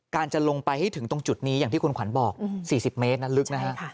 จะลงไปให้ถึงตรงจุดนี้อย่างที่คุณขวัญบอก๔๐เมตรนั้นลึกนะฮะ